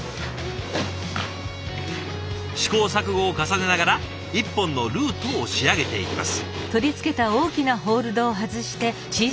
試行錯誤を重ねながら１本のルートを仕上げていきます。